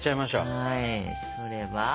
はいそれは？